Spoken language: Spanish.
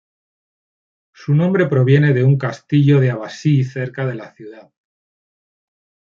Su nombre proviene de un castillo de abasí cerca de la ciudad.